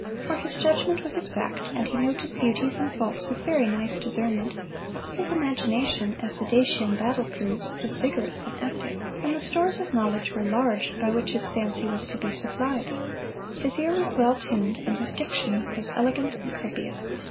For his judgement was exact, and he noted beauties and faults with very nice discernment; his imagination, as the Dacian Battle proves, was vigorous and active, and the stores of knowledge were large by which his fancy was to be supplied. His ear was well tuned, and his diction was elegant and copious.